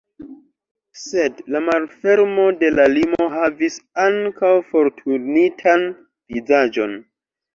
Sed la malfermo de la limo havis ankaŭ forturnitan vizaĝon.